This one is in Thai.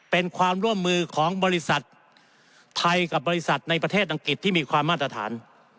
เป็นความร่วมมือของบริษัทไทยกับบริษัทในประเทศอังกฤษที่มีความมาตรฐาน